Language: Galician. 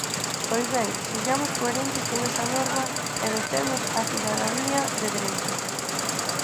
Pois ben, sexamos coherentes con esa norma e dotemos a cidadanía de dereitos.